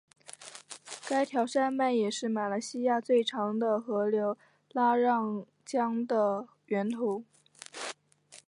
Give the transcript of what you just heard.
该条山脉也是马来西亚最长的河流拉让江的源头。